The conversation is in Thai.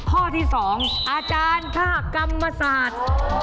ข้อที่๒อาจารย์ค่ะกรรมศาสตร์